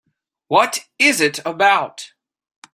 What is it about?